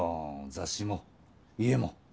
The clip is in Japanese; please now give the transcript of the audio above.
雑誌も家も。